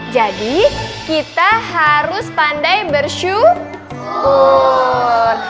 jadi kita harus pandai bersyukur